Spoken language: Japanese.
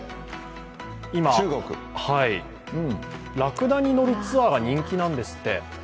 今、ラクダに乗るツアーが人気なんですって。